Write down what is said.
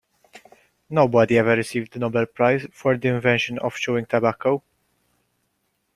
Nobody ever received the Nobel prize for the invention of chewing tobacco.